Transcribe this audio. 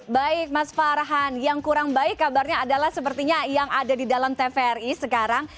baik mas farhan yang kurang baik kabarnya adalah sepertinya yang ada di dalam tvri sekarang